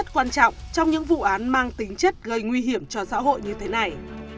rất quan trọng trong những vụ án mang tính chất gây nguy hiểm cho xã hội như thế này